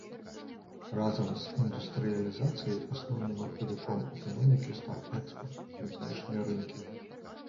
Разам з індустрыялізацыяй асноўным рухавіком эканомікі стаў экспарт на знешнія рынкі.